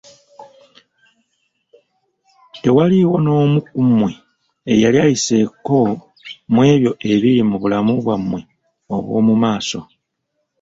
Tewaliiwo n'omu ku mmwe eyali ayiseeko mu ebyo ebiri mu bulamu bwammwe obw'omu maaso.